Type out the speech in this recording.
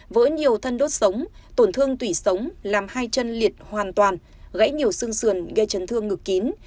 với nhiều thân đốt sống tổn thương tủy sống làm hai chân liệt hoàn toàn gãy nhiều xương sườn gây chấn thương ngực kín